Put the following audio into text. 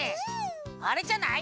あれじゃない？